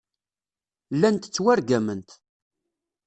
Llant ttwargament.